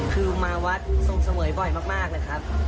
คือมาวัดสมเสมอยบ่อยมากนะครับ